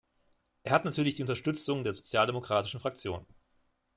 Er hat natürlich die Unterstützung der Sozialdemokratischen Fraktion.